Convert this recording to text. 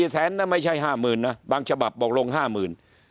๔แสนน่ะไม่ใช่๕หมื่นนะบางฉบับบอกลง๕หมื่น